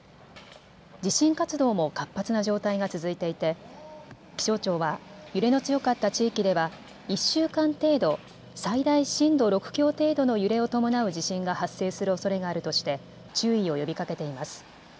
地震活動も活発な状態が続いていて気象庁は揺れの強かった地域では１週間程度、最大震度６強程度の揺れを伴う地震が発生するおそれがあるとして注意を呼びかけています。